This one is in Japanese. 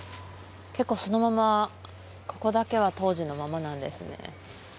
結構そのままここだけは当時のままなんですね